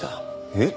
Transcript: えっ？